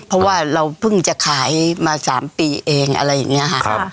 เพราะว่าเราเพิ่งจะขายมา๓ปีเองอะไรอย่างนี้ค่ะ